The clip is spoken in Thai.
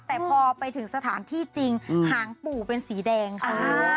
แต่พอไปถึงสถานที่จริงหางปู่เป็นสีแดงค่ะ